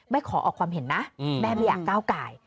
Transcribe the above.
ขอออกความเห็นนะแม่ไม่อยากก้าวกาย